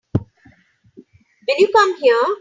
Will you come here?